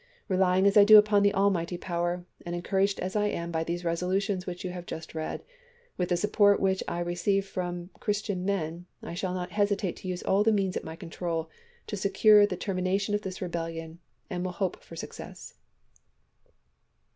Re lying as I do upon the Almighty Power, and encouraged as I am by these resolutions which you have just read, with the support which I receive from Christian men, I shall not hesitate to use all the means at my control to secure the termination of this rebelhon, and wiU hope for success.